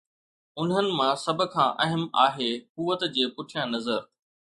انهن مان سڀ کان اهم آهي قوت جي پٺيان نظر.